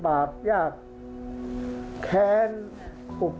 ภาคอีสานแห้งแรง